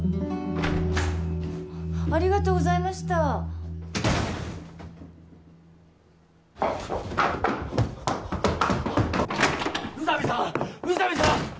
ありがとうございました宇佐美さん宇佐美さん！